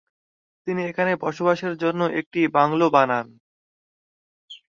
তিনি এখানে বসবাসের জন্যে একটি বাংলো বানান।